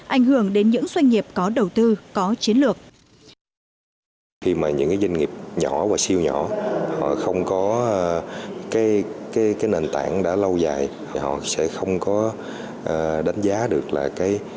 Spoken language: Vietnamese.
ảnh hưởng đến những doanh nghiệp có đầu tư có chiến lược